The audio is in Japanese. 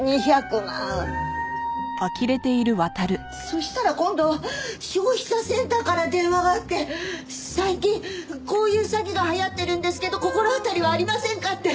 そしたら今度は消費者センターから電話があって最近こういう詐欺が流行ってるんですけど心当たりはありませんかって。